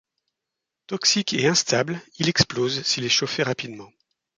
Toxique et instable, il explose s'il est chauffé rapidement.